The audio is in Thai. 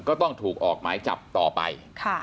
ก็ต้องถูกออกหมายจับต่อไป